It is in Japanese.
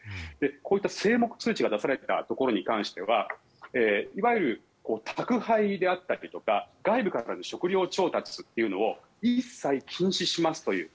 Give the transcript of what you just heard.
こういった静黙通知が出されたところはいわゆる宅配だったり外部からの食料調達というのを一切禁止しますという。